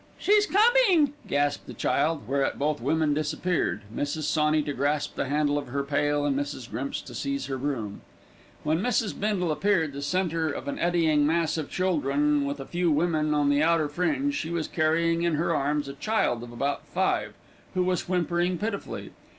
"She's comin'," gasped the child, whereat both women disappeared, Mrs. Sawney to grasp the handle of her pail, and Mrs. Grimps to seize her broom. When Mrs. Bindle appeared, the centre of an eddying mass of children, with a few women on the outer fringe, she was carrying in her arms a child of about five, who was whimpering pitifully.